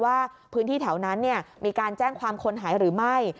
ว่าพื้นที่แถวนั้นมีการแจ้งความคนหายหรือไม่